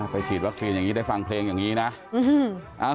ฉีดวัคซีนอย่างนี้ได้ฟังเพลงอย่างนี้นะ